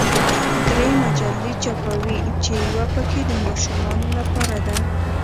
درې مجلې چاپوي چې یوه پکې د ماشومانو لپاره ده.